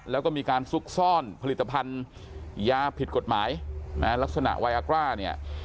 แล้วก็มีการซุกซ่อนผลิตภัณฑ์ยาผิดกฎหมายนะฮะลักษณะไวอากร่าเนี่ย